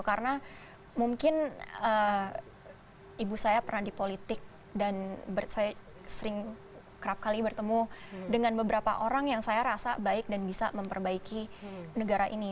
karena mungkin ibu saya pernah di politik dan saya sering kerap kali bertemu dengan beberapa orang yang saya rasa baik dan bisa memperbaiki negara ini